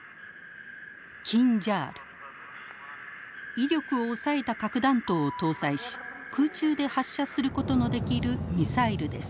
威力を抑えた核弾頭を搭載し空中で発射することのできるミサイルです。